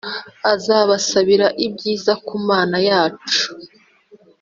azabasabira ibyiza ku mana yacu